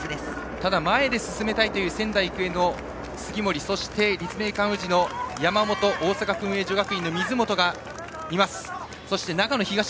ただ前で進めたいという仙台育英の杉森そして、立命館宇治の山本大阪薫英女学院の水本がいます。